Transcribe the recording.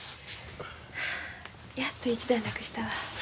やっと一段落したわ。